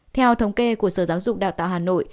theo thống kê của sở giáo dục đào tạo hà nội